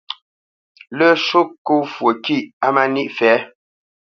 Lə́ shwô ŋkó fwo kîʼ á má níʼ fɛ̌.